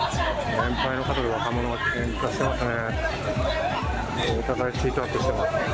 年配の方と若者がけんかしてますね。